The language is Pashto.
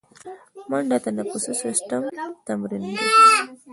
منډه د تنفسي سیستم تمرین دی